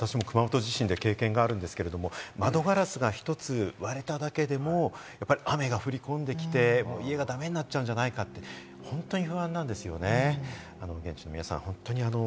私も熊本地震で経験があるんですけれど、窓ガラスが一つ割れただけでもやっぱり雨が降り込んできて、家がだめになっちゃうんじゃないかって、本当に不安なんですよね。